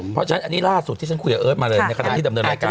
เพราะฉะนั้นอันนี้ล่าสุดที่ฉันคุยกับเอิร์ทมาเลยในขณะที่ดำเนินรายการ